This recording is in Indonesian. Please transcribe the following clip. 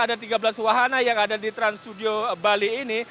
ada tiga belas wahana yang ada di trans studio bali ini